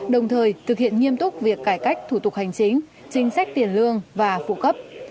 đồng thời thực hiện nghiêm túc việc cải cách thủ tục hành chính chính sách tiền lương và phụ cấp